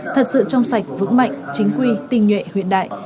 thật sự trong sạch vững mạnh chính quy tình nhuệ hiện đại